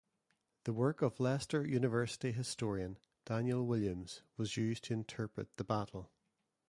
The work of Leicester University historian Daniel Williams was used to interpret the battle.